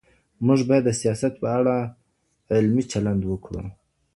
موږ بايد د سياست په اړه علمي چلند وکړو.